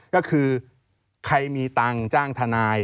ก็คือใครมีตังค์จ้างทนาย